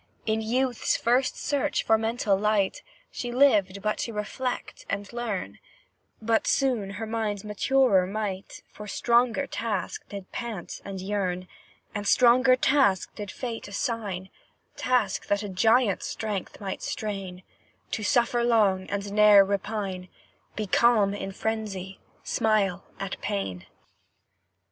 In youth's first search for mental light, She lived but to reflect and learn, But soon her mind's maturer might For stronger task did pant and yearn; And stronger task did fate assign, Task that a giant's strength might strain; To suffer long and ne'er repine, Be calm in frenzy, smile at pain.